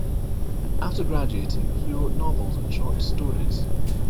After graduating, he wrote novels and short stories.